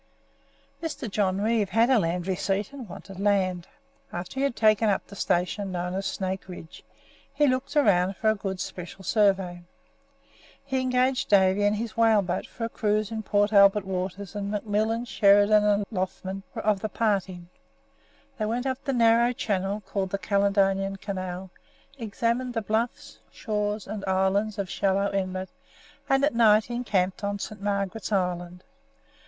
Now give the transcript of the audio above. Mr. John Reeve had a land receipt, and wanted land. After he had taken up the station known as Snake Ridge he looked about for a good Special Survey. He engaged Davy and his whaleboat for a cruise in Port Albert waters and McMillan, Sheridan, and Loughnan were of the party. They went up the narrow channel called the Caledonian Canal, examined the bluffs, shores, and islands of Shallow Inlet, and at night encamped on St. Margaret's Island.